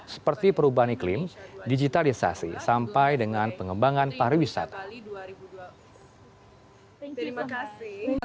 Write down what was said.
seperti perubahan iklim digitalisasi sampai dengan pengembangan pariwisata